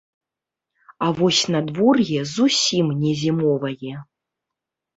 А вось надвор'е зусім не зімовае.